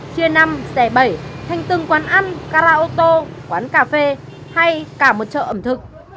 chuyên năm xẻ bẩy thanh tường quán ăn ca la ô tô quán cà phê hay cả một chợ ẩm thực